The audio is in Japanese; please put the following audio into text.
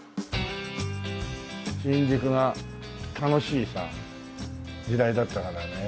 新宿が楽しい時代だったからね。